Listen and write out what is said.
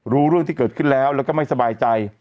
รู้เรื่องที่เกิดขึ้นแล้วแล้วก็ไม่สบายใจ